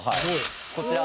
こちら。